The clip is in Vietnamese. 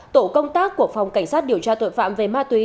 tổ công tác của phòng cảnh sát điều tra tội phạm về ma túy